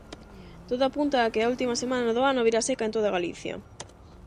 Todo apunta a que a última semana do ano virá seca en toda Galicia.